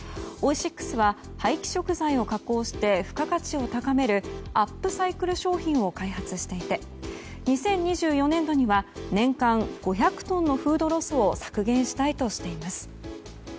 Ｏｉｓｉｘは廃棄食材を加工して付加価値を高めるアップサイクル商品を開発していて２０２４年度には年間５００トンのフードロスを削減したいとしています。